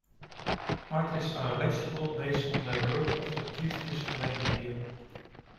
Artists are eligible based on their work of the previous calendar year.